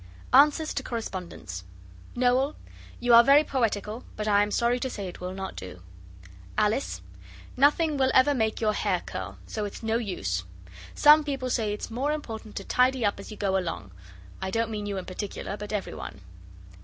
ANSWERS TO CORRESPONDENTS Noel. You are very poetical, but I am sorry to say it will not do. Alice. Nothing will ever make your hair curl, so it's no use. Some people say it's more important to tidy up as you go along. I don't mean you in particular, but every one.